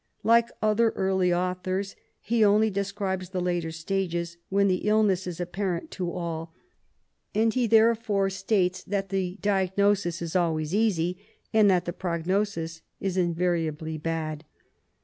Like other early authors, he only describes the later stages, when the illness is apparent to all, and he therefore states that the diagnosis is always easy and that the prognosis is in variably bad.